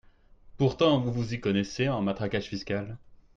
Pourtant, vous vous y connaissez en matraquage fiscal